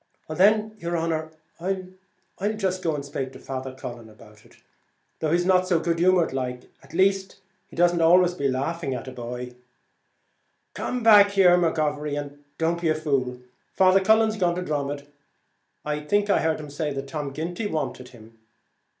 "Well then, yer honer, I'll jist go and spake to Father Cullen. Though he is not so good humoured like, at least, he don't be always laughing at a boy." "Come back, McGovery, and don't be a fool. Father Cullen's gone to Dromod. I think I heard him say Tom Ginty wanted him."